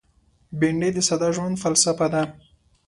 بېنډۍ د ساده ژوند فلسفه ده